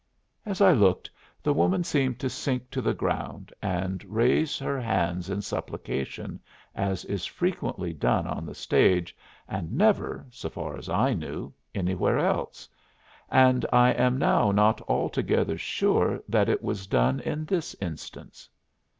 As I looked the woman seemed to sink to the ground and raise her hands in supplication, as is frequently done on the stage and never, so far as I knew, anywhere else, and I am now not altogether sure that it was done in this instance.